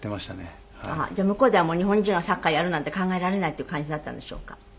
じゃあ向こうでは日本人がサッカーやるなんて考えられないっていう感じだったんでしょうか？